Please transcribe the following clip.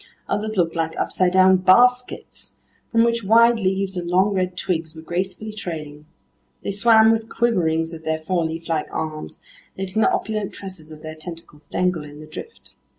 Others looked like upside down baskets from which wide leaves and long red twigs were gracefully trailing. They swam with quiverings of their four leaflike arms, letting the opulent tresses of their tentacles dangle in the drift.